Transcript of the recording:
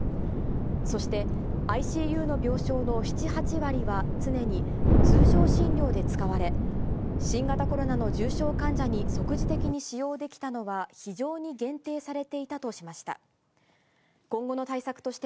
そして、ＩＣＵの病床の７、８割は常に通常診療で使われ、新型コロナの重症患者に即時的に使用できたのは、非常に限定されていたとしました。